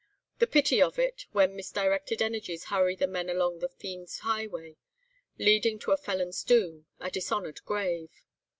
The pity of it, when misdirected energies hurry the men along the fiend's highway, leading to a felon's doom, a dishonoured grave!